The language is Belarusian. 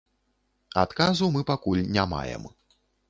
Адказу мы пакуль не маем.